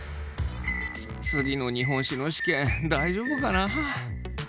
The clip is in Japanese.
次の日本史の試験大丈夫かな？